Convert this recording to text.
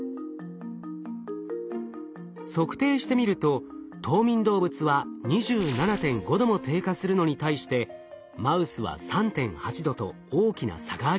測定してみると冬眠動物は２７．５℃も低下するのに対してマウスは３．８℃と大きな差がありました。